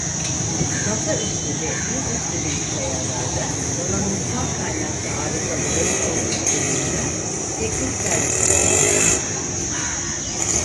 Masaüstü ve dizüstü bilgisayarlarda donanımsal kaynaklı arızaların olması durumunda "Teknik servislere" götürülür.